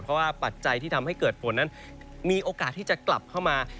เพราะว่าปัจจัยที่ทำให้เกิดฝนนั้นมีโอกาสที่จะกลับเข้ามา